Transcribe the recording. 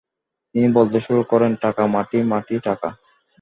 তিনি বলতে শুরু করেন “টাকা মাটি, মাটি টাকা”।